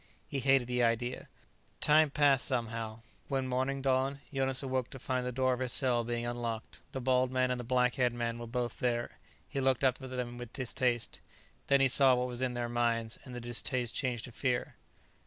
He hated the idea. Time passed, somehow. When morning dawned, Jonas awoke to find the door of his cell being unlocked. The bald man and the black haired man were both there. He looked up at them with distaste. Then he saw what was in their minds, and the distaste changed to fear.